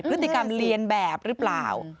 พฤติกรรมเรียนแบบหรือเปล่า